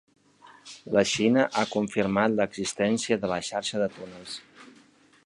La Xina ha confirmat l'existència de la xarxa de túnels.